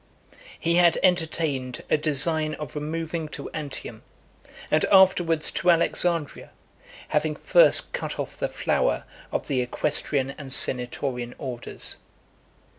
He had entertained a design of removing to Antium, and afterwards to Alexandria; having first cut off the flower of the equestrian and senatorian orders.